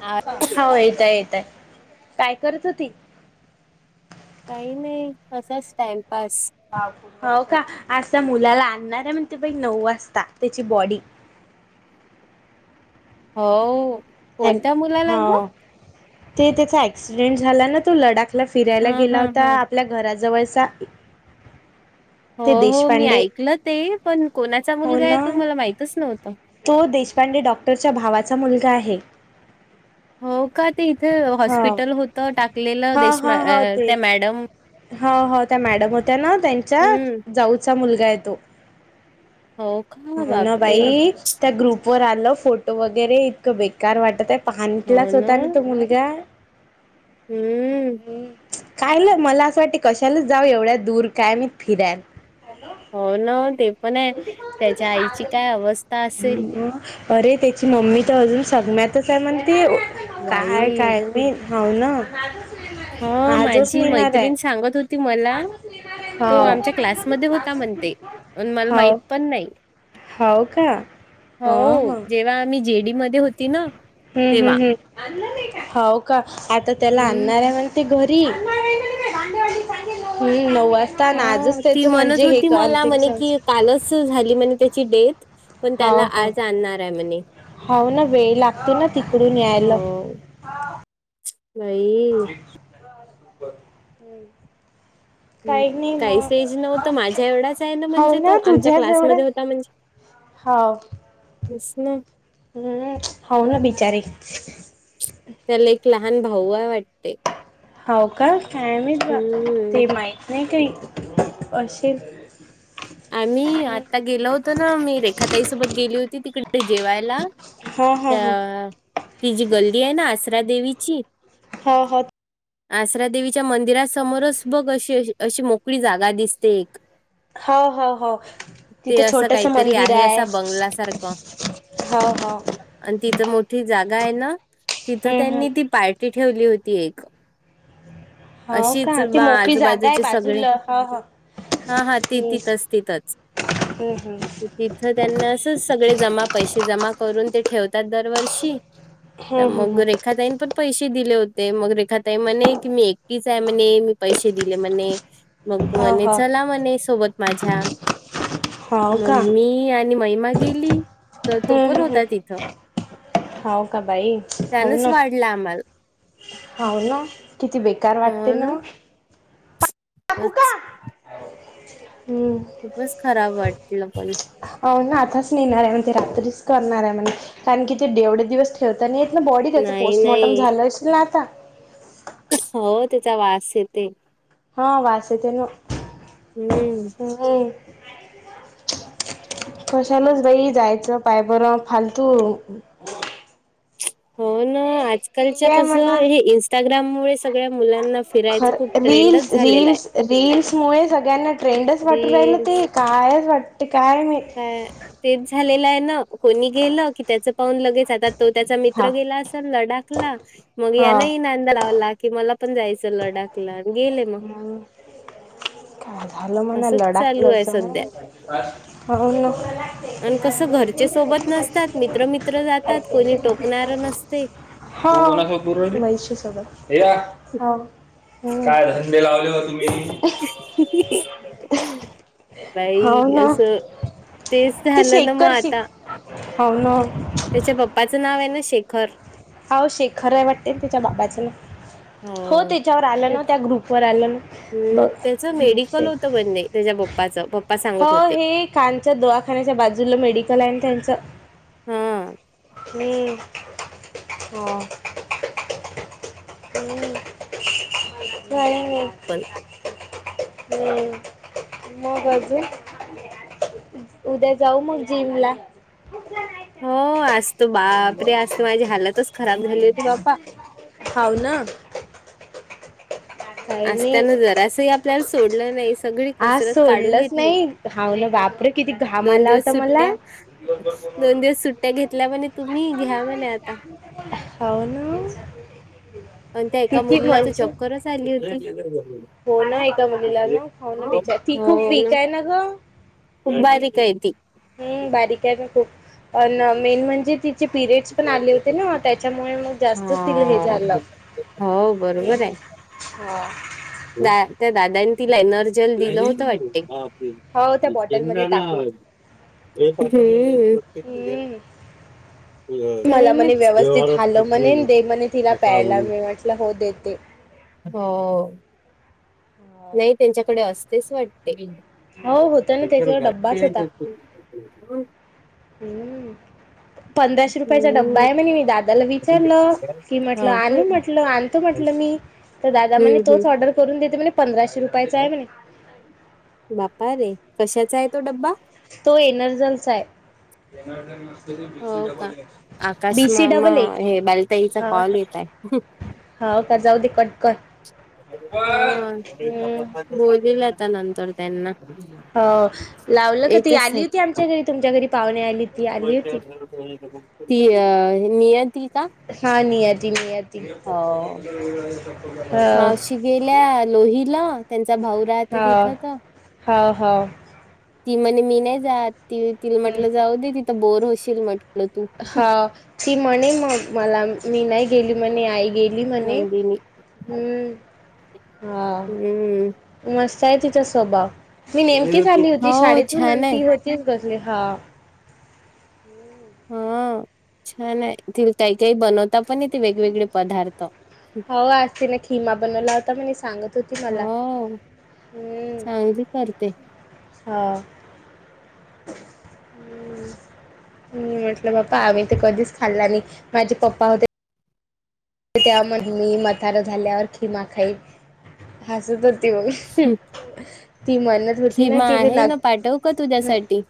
आ हो येतय येतय काय करत होती. काही नाही असाच टाइमपास हो का आज त्या मुलाला आणणार आहे म्हणते बाई नऊ वाजता त्याची बॉडी हो कोणत्या हॅलो मुलाला ग हो ते त्याचा अक्सिडेंट झाला ना तो लडाख आपला फिरायला हा गेला हा होता हा आपल्या घराजवळचा हो ते हो मी देशपांडे ऐकलं ते पण कोणाचा हो मुलगा आहे ना तो मला माहितच नव्हत. तो देशपांडे डॉक्टरच्या भावाचा मुलगा आहे. हो का ते इथे हो हॉस्पिटल होतं टाकलेलं हा देशम हा हो त्या तेच मॅडम हो हो त्या मॅडम होत्या ना त्यांच्या हम्म जाऊचा मुलगा आहे तो. हो का हो ना बापरे बाई त्या ग्रुपवर आलं फोटो वगैरे इतकं बेकार वाटत आहे. पांटलाच होता ना तो मुलगा हम्म ह कायलं मला असं वाटते कशालाच जाऊ एवढ्या दूर काय मी फिराल हो ना ते पण आहे त्याच्या आईची काय अवस्था असेल अरे त्याची मम्मी तर अजून सगम्यातच आहे म्हण ते काय बाई काय हावना हो माझी मैत्रिण सांगत होती मला तो हो आमच्या क्लासमध्ये होता म्हणते मला हो माहित पण नाही हो का ह हो ह तेव्हा आम्ही जेडी मध्ये होती ना हम्म तेव्हा हम्म हम् हो का आता त्याला हम्म आणणार आहे म्हण ते घरी नऊ हो आजच ती त्याच म्हणत म्हणजे हे होती मला अंतिम म्हणे की संस्कार कालच झाली म्हणे त्याची डेथ पण त्याला हाव हाव आज आणणार आहे म्हणे. हाव ना वेळ लागते ना तिकडून यायल नाई [inaudible] हम् हं. काही नाही काहीच मग, एज नव्हतं माझ्या एवढाच आहे हो म्हणजे तो ना आमच्या तुझ्याच एेवढ्या क्लासमध्ये होता म्हणजे हाव [inaudible] हम्म्म होऊ ना बिचारे त्याले एक लहान भाऊ हाय वाटते. होव का काय माहित बा हम्म ते माहीत नाही काही अशेल. आणि आता गेलो होतो आम्ही रेखाताईसोबत गेली होती तिकडे जेवायला. हा हा हा हो त्या ती जी गल्ली आहे ना आसरा देवीची हो होत आसरा देवीच्या मंदिरासमोरच बघ अशी अशी अशी मोकळी जागा दिसते एक हाव हाव हाव - ते तिथं असं छोटस काहीतरी मंदिर आहे हाय, असा बंगला हाव हाव - अन् तिथं मोठी जागा आहे ना, तिथं हम्म हम्म त्यांनी ती पार्टी ठेवली होती एक. हो अशीच का ती बा मोकळी जागा आहे आजूबाजूचे सगळे, बाजूला ह ह हा हा - ति हम्म तिथच तिथच हम्म तिथं त्यांना असच सगळे जमा पैसे जमा करून ते ठेवतात दरवर्षी त हम्म हम्म मग हम्म रेखा ताईनं पण पैसे दिले होते, मग रेखा - ते म्हणे की, मी एकटीच आहे म्हणे, मी पैसे दिले म्हणे, मग हो म्हणे हो चला म्हणे- सोबत माझ्या हो का मग मी आणि महिमा गेली, त तो पण होता तिथं. हाव का बाई, हव न. लांबल हाव न किती बेकार वाटते न उगच हूं खूप खराब वाटलं पण हव ना आताच नेणार आहे म्हणते, ते रात्रीच करणार आहे म्हणे, कारण की ते देवढे दिवस ठेवता नय येत ना बॉडी त्याचं नाही पोस्टमॉर्टम नाही झालं अशील ना आता हो त्याचा वास येते. ह वास येते न. हम्म हम्म्म हं कशालच बाई जायचं पाय बरं फालतू [unintelligible] होणं ठीक आजकालच्या आहे कस म्हणा हे इंस्टाग्राममुळे सगळ्या मुलांना फिरायचं खर खूप ट्रेंडच रील्स झालेला आहे रील्स रील्समुळे, सगळ्यांना ट्रेंडच वाटू राहिलं रील्स ते. कायच वाटते काय माहीत. हं तेच झालेलं हाय ना कोणी गेलं की त्याच पाहून लगेच आतात तो त्याचा हा मित्र गेला असल लडाखला, मग हा यान ही नांदा लावला की मला पण जायचं. लडाखला अन गेले म मग काय झााल म्हणा असंच चालू लडाखला आहे सध्या जाऊन? हाव न अनं कसं, घरचे सोबत नसतात मित्रमित्र जातात कोणी टोकणार नसतय. हो म्हणायशी सोबत होव. हम्म हो बाई ना अस तेच ते झालं न म शेखर श आता हो ना त्याच्या पप्पाचं नाव येन शेखर. हाव शेखर आहे वाटते त्याच्या बाबाचं नावं हो त्याच्यावर आलं ना त्याच त्या ग्रुपवर आलं ना हम्म बघ त्याचं मेडिकल शेखर होतं बणे त्याच्या पप्पाचं पप्प हो हे खानच्या दवाखान्याच्या बाजूला मेडिकल आहे त्यांचं हा हम् ह हूं काय नाय पण हूं मग अजून उद्या जाऊ मग जिम ला हो आज त बापरे आज त माझी हालतच खराब झाली होती बापा हावनं आस नाही त्यानं जरासही आपल्याले सोडलं नाहीस. सगळी आज कसरत काढून सोडलंच घेतली, नाही हाव ना बापरे किती घाम दोन आला दिवस होता मला सुट्ट्या - दोन दिवस सुट्ट्या घेतल्या म्हणे तुम्ही, घ्या म्हणे आता हाव न पण त्या एका मुलीला तर चक्करच आली होती हो ना एका मुलीला ना खाऊन बिच ती खूप वीक आहे ना ग तु बारी कायती हम् बारीक आहे ना खूप प मेन म्हणजे तिचे पिरियड्स पण आले होते ना त्या त्याच्यामुळे मग जास्त ति हे हा झालं हो हा द त्या दादनी तिला एनर्जल दिलं होत वाटते हो त्या केंद्र बॉटलमध्ये ना टाकून व्यवहारतले हम्म. मला म्हणे व्यवस्थित हालव म्हणे न दे म्हणे तिला पकडाव प्यायला मी म्हटलं हो देते. हो नाही त्यांच्याकडे असतेच वाटते हो होत ना त्याच्यावर डब्बाच होता [inaudible] हम्म पंधराशे रुपयाचा डब्बा आहे म्हणे मी दादाला विचारलं की हा म्हटलं आणू हम्म म्हटलं आणतो म्हटलं मी तर दादा म्ह हम्म तोच ऑर्डर करून देते म्हण पंधराशे रुपयाचं आहे म्ह बापा रे कशाचा आहे तो डब्बा तो एनर्जनचा आहे हो का? आकाश बीसी मामा डबल ए हे बालताईचा कॉल येत आहे. होा का जाऊ दे कटक हा बोललाता नंतर त्यांना हो लावलं का ती आली होती याच्याचसाठी आमच्या घरी तुमच्या घरी पाहुणे आली ती आली होती ती अ नियतील का हा नियाची निया त हो मावशी गेल्या लोहीला त्यांचा भाऊ राहते हा तिथं तर हा हा ती म्हणे मी नाही ज ती तिला हम्म. म्हटलं जाऊ दे तिथं बोर होशील म्हटलं तू हा ती म्हणे मग मला मी नाही गेली म्हणे आई गेली बली नंदिनी म्ह हम्म ह मस्त आहे तिचा स्वभाव मी नेमकीच आली हो होती शाळेतून छान आहे ती तेच कसले हा हा छान आहे ति काही काही बनवता पण य तेे वेगवेगळे पदार्थ हो आज त ना खिमा बनवला होता म सांगत होती मला हो चांगली करते होा ् मी म्हटलं बा्पा आम्ही ते कधीच खाल्ला नाही माझे पप्पा होते त्या म्हण मी मथार झाल्यावर खिमा खाईल हसत होती मग ती म्हणत होती ना खिमा की ते आहे ना पाठव का न तुझ्यासाठी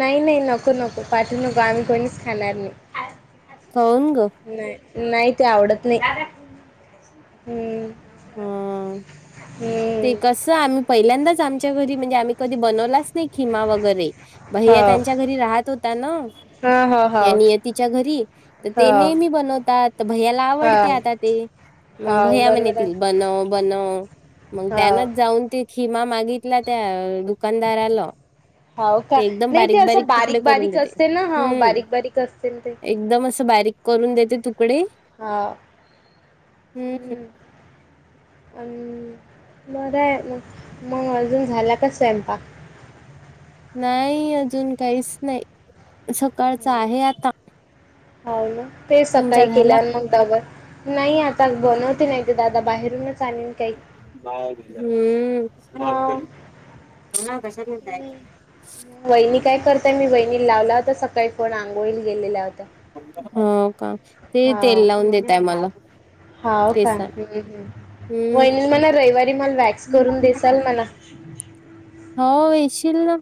नाही नाही नको नको पाठवू नको आम्ही कोणीच खाणार नाही सग नाही नाही ते आवडत नाही. हम्म हम्म ते हम्म कसं आम्ही पहिल्यांदाच आमच्या घरी म्हणजे आम्ही कधी बनवलाच नाही खिमा वगैरे हो भैया त्यांच्या घरी राहत होता न हा हा या नियतीच्या घरी तर ते नेहमी बनवतात भैयाला आवडते हो आता ते मग हो भैया म्हणे बरोबर तील आहे बनव बनव मग हो त्यानच जाऊन ते खिमा मागितला त्या दुकानदाराला हो का ते एकदम नाही ते बारीक असं बारीक तुकडे करून बारीक देते असते ना हो हम्म बारीक बारीक असते ना ते एकदम असं बारीक करून देते तुकडे हां हम्म बरं आहे मग मग अजून झाला का स्वयंपा नाही अजून काहीच नाही सकाळच हा. आहे आता हो ना ते सकाळी तुमचा झाला का? केल्यांतर नाही आता बनवते नाही दादा बाहेरूनच आणेल. हम्म हा [unintelligible] वहिणी काय करताय मी वहिणीला लावला होता सकाळी फोन आंघोळीला गेलेल्या होत्या. हो का ते तेल हा लावून देतय मला हाव का केसात हम्म वहिनी म्हणा रविवारी मला वॅक्स करून देसाल मला हो येेशील ना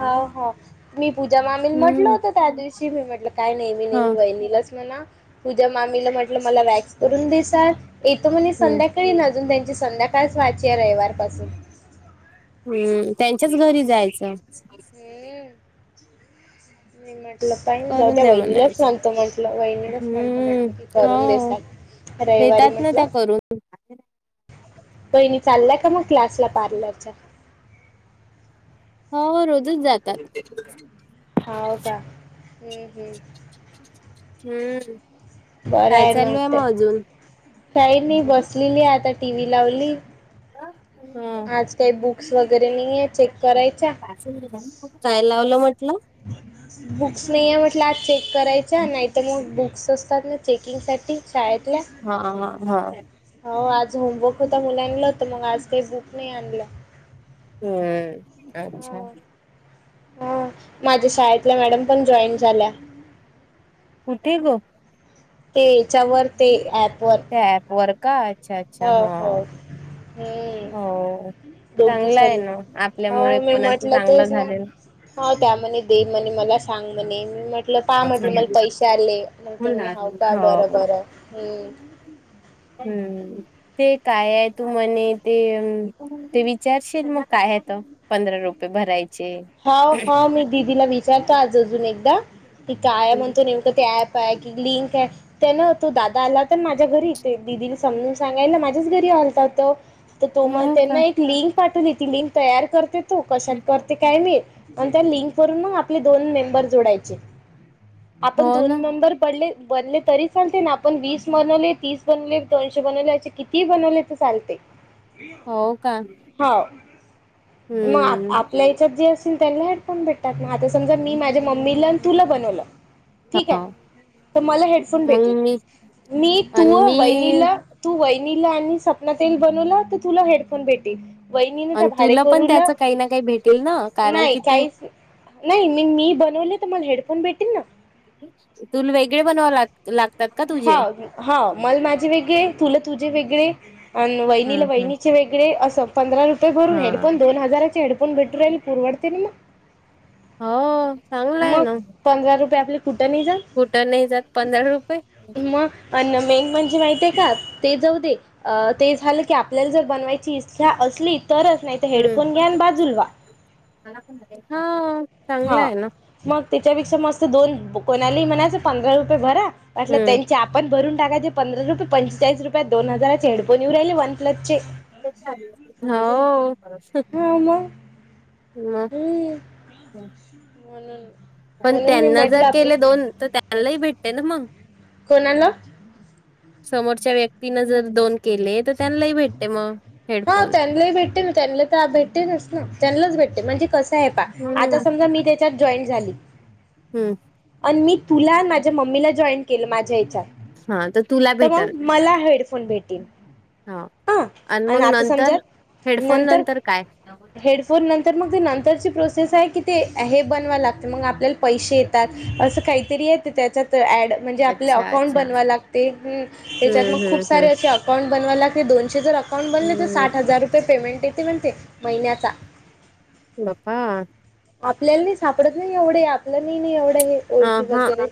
हो हो मी पूजा मामी म्हटलं हम्म होत त्या हा दिवशी मी म्हटलं काय नेहमी हम्म नेहमी वहिणीलाच म्हणा तुझ्या मामीला म्हटलं मला वॅक्स करून देस येतो म्हणे संध्याका तरी अजून त्यांची संध्याकाळच वाची आहे रविवार पासून हम्म त्यांच्याच घरी जायचं. हम्म मी म्हटलं पाहिन जाऊ करून द्या वहिणीलाच म्हणायचं सांगतो म्हंटलं वहिणीलाच म्हणतो हम्म म्हटलं की करून हो देसा रविवारी म्हटलं. ह वहिणी चाललाय का मग क्लास ला पार्लरच्या? हो रोजच जातात. हा का हम्म हम्म हम्म बरं काय आहे चालू नव्हत मग अजून काही नाही हा बसलेली आता टी व्ही लावली आज काही बुक्स वगैरे नाही आहे चेक करायच्या. काय लावलं म्हटलं? [unintelligible] बुक्स नाही आहे म्हटलं आज चेक करायच्या नाहीतर मग बुक्स असतात ना चेकिंगसाठी शाळेतल्या हा हा हा हो आज होमवर्क होता मुलांला होत मग आज काही बुक नाही आणलं. हम् अच्छा हा माझ्या शाळेतल्या मॅडम पण जॉईन झाल्या. कुठे ग? ते याच्यावर ते ऍपवर ऍप वर का अच्छा अच्छा हा हम्म, हो दोघी चांगलं आहे झाली ना आपल्यामुळे हो मी कोणाचं म्हटलं चांगलं तेच ना झालेल हो त्या मणे दे म्हणे मला सांग म्हणे मी म आपलं पहा म्हटलं मला पैसे आले मग ते म्हणे हऊ का बरं हो बरं हम् हम्म ते काय आहे तू म्हणे ते ते विचारशील मग काय आहे त पंधरा रुपये भरायचे होा हा मी दिदीला विचारतो आज अजून एकदा की काय हम्म. म्हणतो नेमकं ते प क लिंक त्या ना तो दादा आला तर माझ्या घरी ददीला समज सांगायला माझ्याच घरी आलता होत तर तो मग हो का त्यांना एक लिंक पाठवली ती लिंक तयार करते त कशात करते काय मी आणि त्या लिंक वरून आपले दोन मेंबर जोडायचे हो आपण दोन ना नंबर पड बनले तरी सांलते ना आपण वीस बनवले तीस बनवले दोनशे बनवले क बनवले तर चालते हो का. हो मग हम्म आपल्या सबजे असतील त्यांना हेडफोन भेटतात ना आता समज मी माझ्या मम्मीला आणि तुला बनवलं. ठीक आहे हो तर मला हेडफोन मग भेटले मी मी तू आणि मी वहिनीला तू वहिनीला आणि सपना ताईला बनवला तर तुला हेडफोन भेटेल. वहिनीने त्या आणि तुला पण भाडेकरूला त्याचं काही ना काही भेटेल ना. कारण नाही की तू काहीच नाही मी मी बनवले तर मला हेडफोन भेटेन ना. तुला वेगळे बनवाव लाग लागतात का तू हा हा मल माझे वेगळे तुल तुझे वेगळे अनं वहिनीला हम्म हम्म वहिनीचे वेगळे असं. पंधरा रुपये भरून हा हेडफोन दोन हजाराचे हेडफोन भेटू राहील पुरवडते ना म. हो चांगलंय ना. पंधरा रुपये आपले कुठं नाही जात. कुठं नाही जात पंधरा रुपये. मग अन् मेन म्हणजे माहितय का ते जाऊ दे. अ ते झालं की आपल्याला जर बनवायची इच्छा असली तरच नाही तर हेडफोन हम्म घ्या आणि बाजूला व्हा हं. हा मग त्याच्यापेक्षा मस्त दोन कोणालाही म्हणायचं पंधरा रुपये भरा. वाटलं हम्म तेंच्या आपण भरून टाकायचे पंधरा रुपये पंचेचाळीस रुपया दोन हजाराचे हेडफोन येऊ राहिले वन प्लसचे. हाव हा मग म. हम्म म्हणून पण म्हणून मी त्यांना जर म्हटलं आपण केले दोन तर त्यांनाही भेटते ना मग. कोणाला? समोरच्या व्यक्तीन जर दोन केले तर त्यांनाही भेटते मग हेडफोन. त्यांलाही भेटे ना त्यांनला तर भेटतिलच ना त्यांलाच भेटते म्हणजे कसं आहे पहा आता हम्म समजा मी ते च्यात जॉईट झाली. हम्म अन मी तुला आणि माझ्या मम्मीला जॉईन केलं माझ्या याच्यात. हा तुला तर मग भेटल मला हेडफोन भेटेन. हा आणि मग नंतर समजा हेडफोन नंतर काय? फोन नंतर मग ते नंतरची प्रोसेस आहे की ते हे बनवावं लागतें मग आपल्याला पैसे ये तात असं काहीतरी आहे त्याच्यात ऍड. म्हणजे आपले अच्छा अकाउंट अच्छा बनवाय लागते त्याच्यात हम्म मग खूप हम्म सारे हम्म असे अकाउंट बनवा लागते. दोनशे जर अकाउंट बनले तर हम्म साठ हजार रुपये पेमेंट येते म्हणते महिन्याचा. बप्पा आपल्याला नाही सापडत नाही एवढं आपल्याला नाही नाही एवढं हे. अ ओळखी ह वगैरे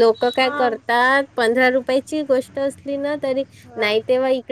लोक काय हा करतात पंधरा रुपयाची गोष्ट असली ना तरी हा नाही तेव्हा ही